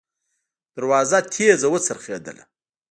دروازه تېزه وڅرخېدله.